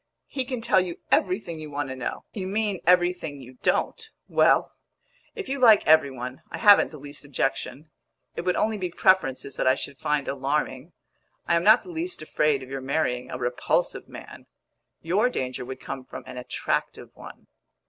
He can tell you everything you want to know." "You mean everything you don't! Well, if you like every one, I haven't the least objection. It would only be preferences that I should find alarming. I am not the least afraid of your marrying a repulsive man; your danger would come from an attractive one."